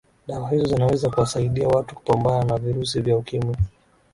dawa hizo zinaweza kuwasaidia watu kupambana na virusi vya ukimwi